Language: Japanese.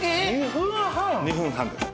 ２分半です。